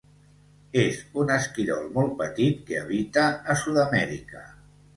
És un esquirol molt petit que habita a Sud-amèrica.